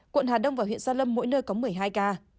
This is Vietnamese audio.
quận hà đông và huyện gia lâm mỗi nơi có một mươi hai ca